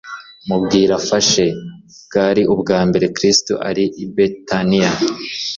Mubwire amfashe» Bwari ubwa mbere Kristo ari i Betaniya.